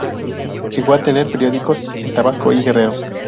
Llegó a tener periódicos en Tabasco y Guerrero.